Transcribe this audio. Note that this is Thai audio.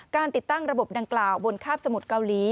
ติดตั้งระบบดังกล่าวบนคาบสมุทรเกาหลี